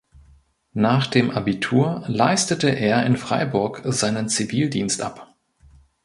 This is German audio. Nach dem Abitur leistete er in Freiburg seinen Zivildienst ab.